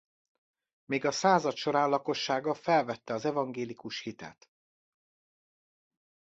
Még a század során lakossága felvette az evangélikus hitet.